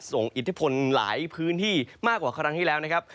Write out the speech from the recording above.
อิทธิพลหลายพื้นที่มากกว่าครั้งที่แล้วนะครับ